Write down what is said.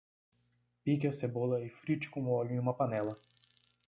Pique a cebola e frite com óleo em uma panela.